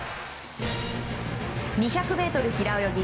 ２００ｍ平泳ぎ。